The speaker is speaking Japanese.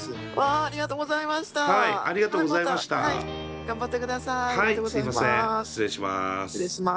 ありがとうございます。